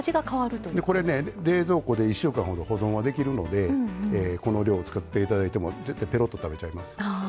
冷蔵庫で１週間ほど保存はできるのでこの量を使っていただいてもぺろっと食べちゃいます。